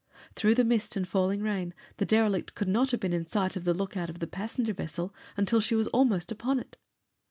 Through the mist and falling rain, the derelict could not have been in sight of the lookout of the passenger vessel until she was almost upon it.